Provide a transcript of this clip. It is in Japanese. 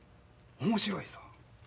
面白いぞ。